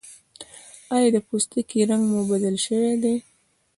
ایا د پوستکي رنګ مو بدل شوی دی؟